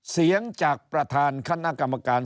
เสียงจากประธานคณะกรรมการ